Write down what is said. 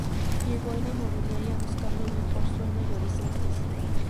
Llegó a la inmobiliaria buscando un mejor sueldo y horizontes.